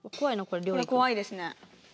これ怖いですね。